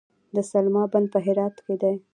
د سلما بند په هرات کې دی